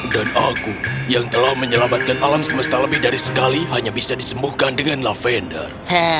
dan aku yang telah menyelamatkan alam semesta lebih dari sekali hanya bisa disembuhkan dengan lavender